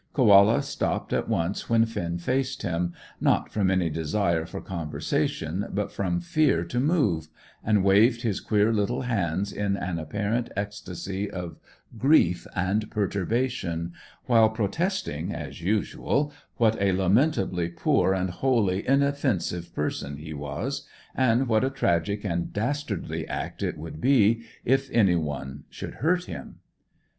Koala stopped at once when Finn faced him not from any desire for conversation, but from fear to move and waved his queer little hands in an apparent ecstasy of grief and perturbation, while protesting, as usual, what a lamentably poor and wholly inoffensive person he was, and what a tragic and dastardly act it would be if any one should hurt him.